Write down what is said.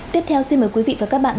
tiếp theo xin mời quý vị và các bạn